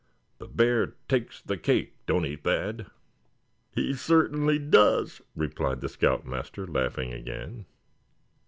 The bear takes the cake, don't he, Thad?" "He certainly does," replied the scout master, laughing again.